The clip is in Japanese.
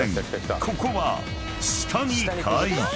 ［ここは下に回避］